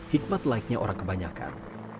hikmat lainnya orang kebanyakan